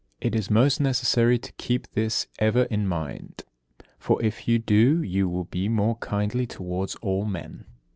It is most necessary to keep this ever in mind; for, if you do, you will be more kindly towards all men.